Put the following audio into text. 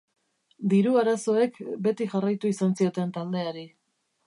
Diru arazoek beti jarraitu izan zioten taldeari.